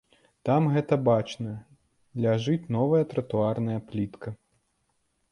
Там гэта бачна, ляжыць новая тратуарная плітка.